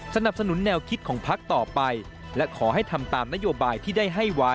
สนับสนุนแนวคิดของพักต่อไปและขอให้ทำตามนโยบายที่ได้ให้ไว้